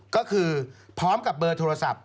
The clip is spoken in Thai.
ก็คือพร้อมกับเบอร์โทรศัพท์